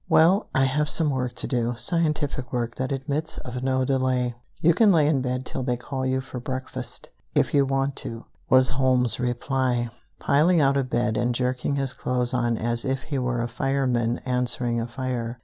"Well, I have some work to do, scientific work that admits of no delay. You can lay in bed till they call you for breakfast, if you want to," was Holmes's reply, piling out of bed and jerking his clothes on as if he were a fireman answering a fire.